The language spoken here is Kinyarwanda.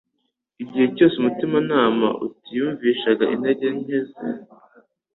igihe cyose umutimanama utiyumvishaga intege nke ze,